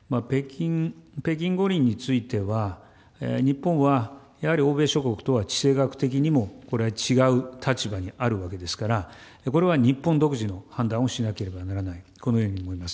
北京五輪については、日本はやはり欧米諸国とは地政学的にも、これは違う立場にあるわけですから、これは日本独自の判断をしなければならない、このように思います。